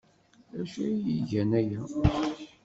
D acu ay d-igan aya?